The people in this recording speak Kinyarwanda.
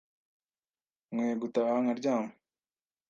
Nkwiye gutaha nkaryama.